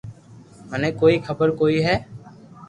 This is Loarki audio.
منو ڪوئي خبر ڪوئي ھي